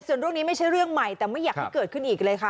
ส่วนเรื่องนี้ไม่ใช่เรื่องใหม่แต่ไม่อยากให้เกิดขึ้นอีกเลยค่ะ